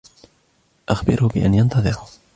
أخبره بأن ينتظر